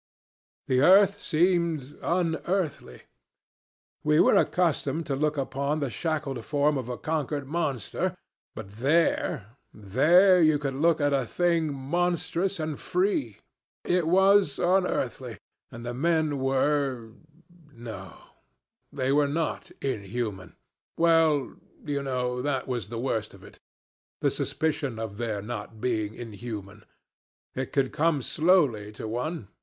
"The earth seemed unearthly. We are accustomed to look upon the shackled form of a conquered monster, but there there you could look at a thing monstrous and free. It was unearthly, and the men were No, they were not inhuman. Well, you know, that was the worst of it this suspicion of their not being inhuman. It would come slowly to one.